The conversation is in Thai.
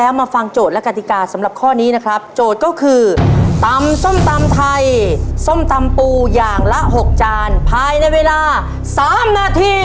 มาฟังโจทย์และกติกาสำหรับข้อนี้นะครับโจทย์ก็คือตำส้มตำไทยส้มตำปูอย่างละ๖จานภายในเวลา๓นาที